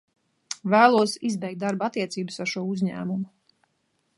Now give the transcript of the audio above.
Vēlos izbeigt darba attiecības ar šo uzņēmumu.